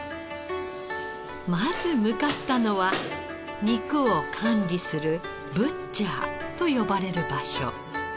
まず向かったのは肉を管理するブッチャーと呼ばれる場所。